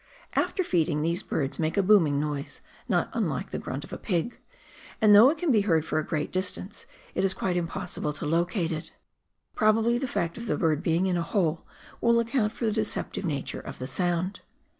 After feeding, these birds make a booming noise, not unlike the grunt of a pig, and though it can be heard for a great dis tance, it is quite impossible to locate it. Probably the fact of the bird being in a hole will account for the deceptive nature of the sound.